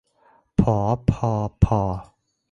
ผอ พอ ภอ